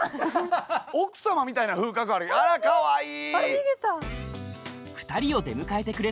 あらかわいい。